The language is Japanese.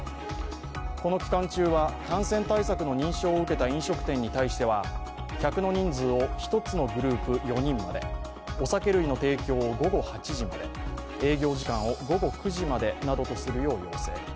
この期間中は、感染対策の認証を受けた飲食店に対しては客の人数を１つのグループ４人まで、お酒類の提供を午後８時まで営業時間を午後９時までとするなど要請。